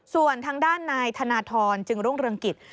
ส่วนทางด้านนายธนทรจึงรุ่งเรืองกิจ